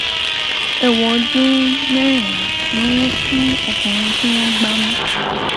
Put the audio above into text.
Ẹ̀wọ̀n ọdún mẹ́rìnlá ni wọ́n fún ọkùnrin tí wọ́n gbá mú